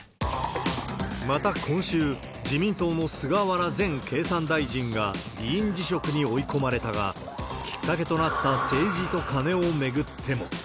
また今週、自民党の菅原前経産大臣が議員辞職に追い込まれたが、きっかけとなった政治とカネを巡っても。